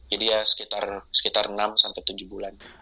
jadi ya sekitar enam tujuh bulan